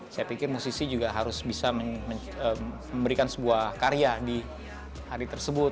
saya pikir musisi juga harus bisa memberikan sebuah karya di hari tersebut